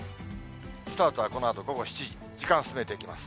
スタートはこのあと午後７時、時間進めていきます。